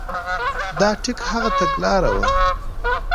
دا ټیک هغه تګلاره وه.